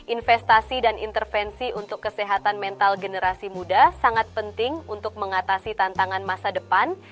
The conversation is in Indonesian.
investasi dan intervensi untuk kesehatan mental generasi muda sangat penting untuk mengatasi tantangan masa depan